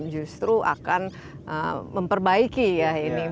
justru akan memperbaiki ya ini